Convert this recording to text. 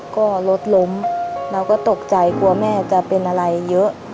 ก็รถล้มเราก็ตกใจกลัวแม่จะเป็นอะไรเยอะ